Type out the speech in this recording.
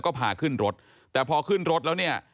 ก็พาขึ้นรถแต่พอขึ้นรถแล้วเนี่ย